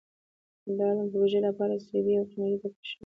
د اړوندې پروژې لپاره سی بي ار قیمتونه ټاکل شوي دي